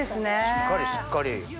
しっかりしっかり。